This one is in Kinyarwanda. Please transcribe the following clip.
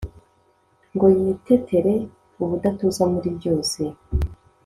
ngo yitetere ubudatuza muri byose